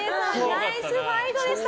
ナイスファイトでした。